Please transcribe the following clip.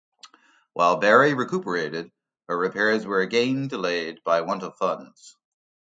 While Barry recuperated, her repairs were again delayed by want of funds.